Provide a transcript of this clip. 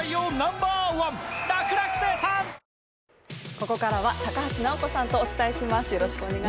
ここからは高橋尚子さんとお伝えします。